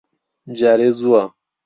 جارێ زووە.